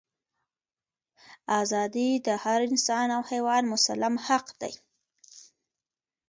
ازادي د هر انسان او حیوان مسلم حق دی.